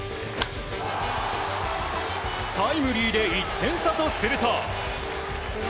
タイムリーで１点差とすると。